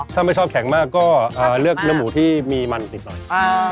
ถ้าไม่ชอบแข็งมากก็เลือกเนื้อหมูที่มีมันติดหน่อย